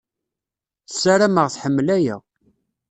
Ssaram-aɣ tḥemmel aya.